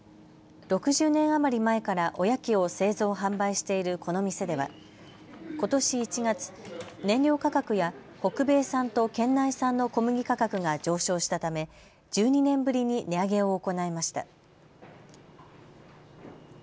６０年余り前からおやきを製造販売しているこの店ではことし１月、燃料価格や北米産と県内産の小麦価格が上昇したため１２年ぶりに値上げを行いました。